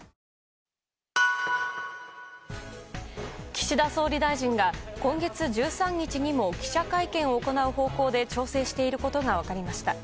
岸田総理大臣が今月１３日にも記者会見を行う方向で調整していることが分かりました。